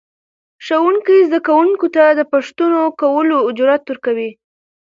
ښوونکی زده کوونکو ته د پوښتنو کولو جرأت ورکوي